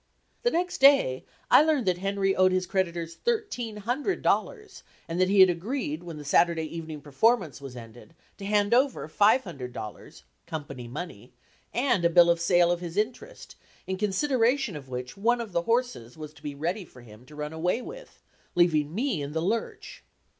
The next day I learned that Henry owed his creditors thirteen hundred dollars and that he had agreed when the Saturday evening performance was ended to hand over five hundred dollars (company money) and a bill of sale of his interest, in consideration of which one of the horses was to be ready for him to run away with, leaving me in the lurch!